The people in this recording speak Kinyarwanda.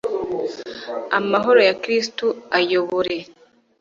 amahoro ya Kristo ayobore